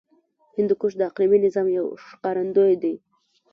هندوکش د اقلیمي نظام یو ښکارندوی دی.